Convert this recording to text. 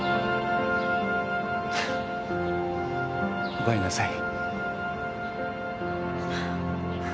おかえりなさい。